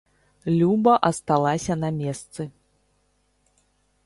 Люба асталася на месцы.